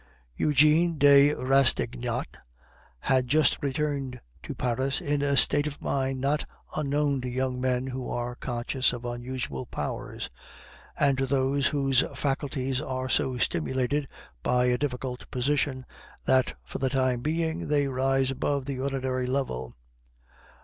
Eugene de Rastignac had just returned to Paris in a state of mind not unknown to young men who are conscious of unusual powers, and to those whose faculties are so stimulated by a difficult position, that for the time being they rise above the ordinary level.